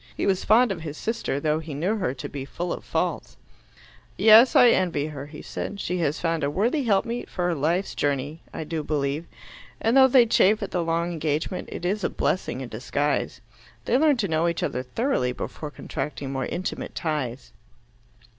He was fond of his sister, though he knew her to be full of faults. "Yes, I envy her," he said. "She has found a worthy helpmeet for life's journey, I do believe. And though they chafe at the long engagement, it is a blessing in disguise. They learn to know each other thoroughly before contracting more intimate ties."